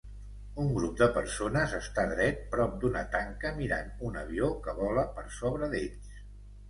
Un grup de persones està dret prop d'una tanca mirant un avió que vola per sobre d'ells